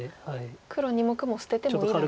黒２目も捨ててもいいだろうと。